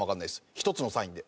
１つのサインで。